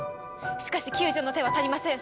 しかし救助の手は足りません。